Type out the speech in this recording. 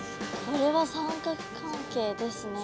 これは三角関係ですね。